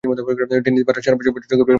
Venice সারা বছরই পর্যটকের ভিড়ে মুখরিত থাকে।